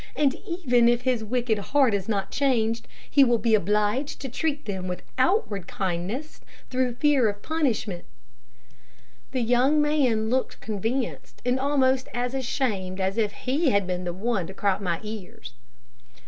And even if his wicked heart is not changed, he will be obliged to treat them with outward kindness, through fear of punishment" The young man looked convinced, and almost as ashamed as if he had been the one to crop my ears.